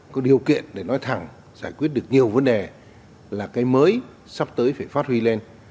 có điều kiện để nói thẳng giải quyết được nhiều vấn đề là cái mới sắp tới phải phát huy lên